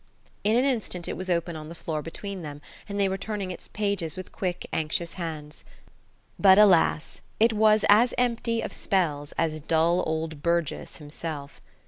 In an instant it was open on the floor between them, and they were turning its pages with quick, anxious hands. But, alas! it was as empty of spells as dull old Burgess himself.